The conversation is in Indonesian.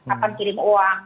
akan kirim uang